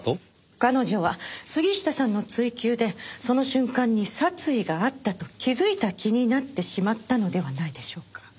彼女は杉下さんの追及でその瞬間に殺意があったと気づいた気になってしまったのではないでしょうか？